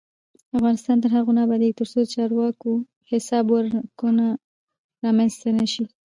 افغانستان تر هغو نه ابادیږي، ترڅو د چارواکو حساب ورکونه رامنځته نشي.